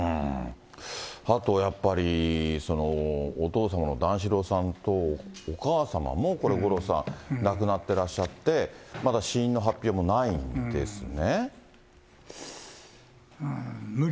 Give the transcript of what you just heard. あとやっぱりお父様の段四郎さんとお母様もこれ、五郎さん、亡くなってらっしゃって、まだ死因の発表もないんですね。